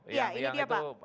iya ini dia pak